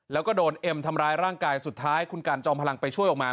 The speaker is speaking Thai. แล้วก็โดนเอ็มทำร้ายร่างกายสุดท้ายคุณกันจอมพลังไปช่วยออกมา